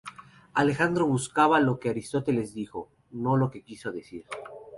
Alejandro buscaba lo que Aristóteles dijo, no lo que quiso decir.